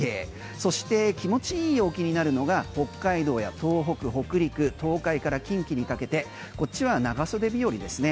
そして気持ちいい陽気になるのが北海道や東北、北陸東海から近畿にかけてこっちは長袖日和ですね。